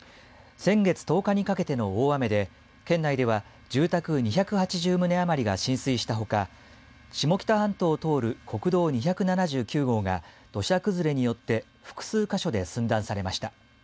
先月１０日にかけての大雨で県内では住宅２８０棟余りが浸水したほか下北半島を通る国道２７９号が土砂崩れによって複数か所で寸断されました。